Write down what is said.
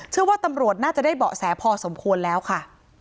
เชื่อว่าตำรวจน่าจะได้เบาะแสพอสมควรแล้วค่ะ